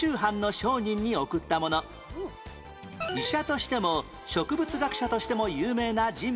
医者としても植物学者としても有名な人物は誰？